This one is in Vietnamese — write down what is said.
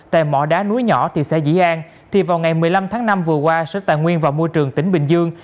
tại mò đá núi nhỏ thị xã dĩ an thì vào ngày một mươi năm tháng năm vừa qua sở tài nguyên và môi trường tỉnh bình dương